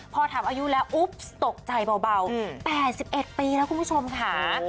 พอถามอายุแล้วอุ๊บตกใจเบา๘๑ปีแล้วคุณผู้ชมค่ะ